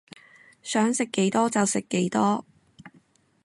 想食幾多就食幾多